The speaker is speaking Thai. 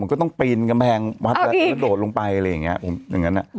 มันก็ต้องเป็นกำแพงวัดพี่นฏอดลงไปอะไรแบบนี้